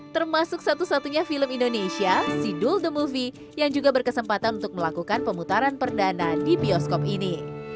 termasuk satu satunya film indonesia sidul the movie yang juga berkesempatan untuk melakukan pemutaran perdana di bioskop ini